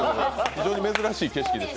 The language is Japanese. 非常に珍しい景色でした。